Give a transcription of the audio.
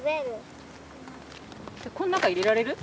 この中入れられる？